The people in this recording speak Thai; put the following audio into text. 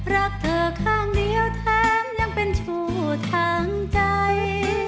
รักเธอข้างเดียวแถมยังเป็นชู่ทางใจ